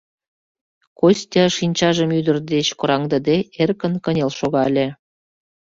Костя, шинчажым ӱдыр деч кораҥдыде, эркын кынел шогале.